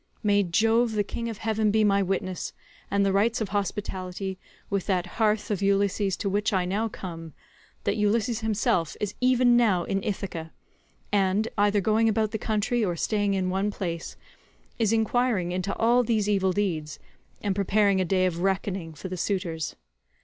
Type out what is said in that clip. May Jove the king of heaven be my witness, and the rites of hospitality, with that hearth of Ulysses to which I now come, that Ulysses himself is even now in Ithaca, and, either going about the country or staying in one place, is enquiring into all these evil deeds and preparing a day of reckoning for the suitors.